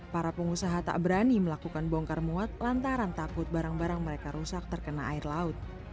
para pengusaha tak berani melakukan bongkar muat lantaran takut barang barang mereka rusak terkena air laut